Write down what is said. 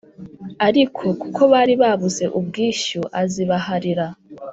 Ariko kuko bari babuze ubwishyu azibaharira